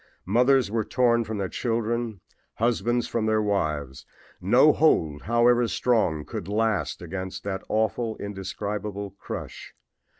Mothers were torn from their children, husbands from their wives. No hold, however strong, could last against that awful, indescribable crush.